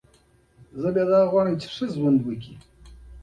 نه، زه غواړم ته ژوند وکړې.